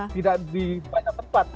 tidak banyak tempat